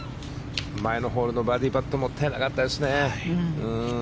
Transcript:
前のホールのバーディーパットもったいなかったですね。